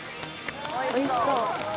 おいしそう。